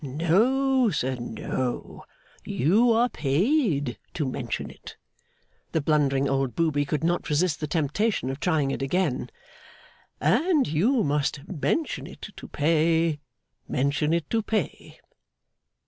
'No, sir, no; you are paid to mention it,' the blundering old booby could not resist the temptation of trying it again, 'and you must mention it to pay, mention it to pay.